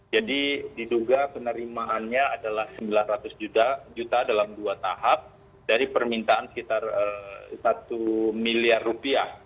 jadi diduga penerimaannya adalah sembilan ratus juta dalam dua tahap dari permintaan sekitar satu miliar rupiah